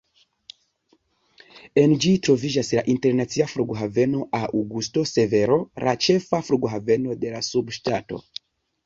En ĝi troviĝas la Internacia Flughaveno Augusto Severo, la ĉefa flughaveno de la subŝtato.